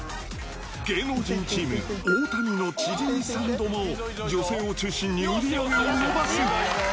芸能人チーム、大谷のチヂミサンドも、女性を中心に売り上げを伸ばす。